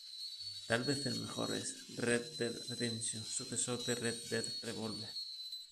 Tal vez el mejor es "Red Dead Redemption", sucesor de "Red Dead Revolver".